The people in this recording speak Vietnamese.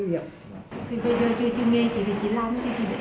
bây giờ chưa kiếm nghề chỉ làm chỉ làm như thế đấy